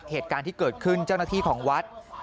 เหตุการณ์ที่เกิดขึ้นเจ้าหน้าที่ของวัด